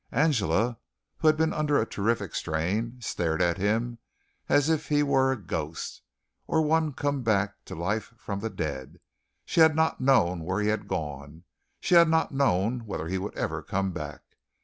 Angela, who had been under a terrific strain, stared at him as if he were a ghost, or one come back to life from the dead. She had not known where he had gone. She had not known whether he would ever come back.